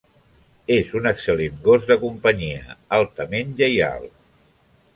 És un excel·lent gos de companyia, altament lleial.